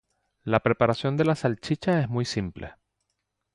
La preparación de la salchicha es muy simple.